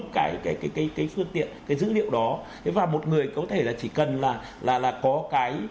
một lúc cả có cái cái catching phương tiện dữ liệu đó và một người có thể là chỉ cần là là là có cái